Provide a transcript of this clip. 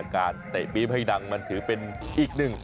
เตะปี๊บให้ดังมันถือเป็นอีกหนึ่ง